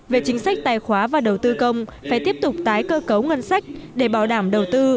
về chính sách tài khoá và đầu tư công phải tiếp tục tái cơ cấu ngân sách để bảo đảm đầu tư